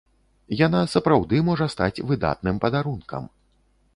Яна сапраўды можа стаць выдатным падарункам.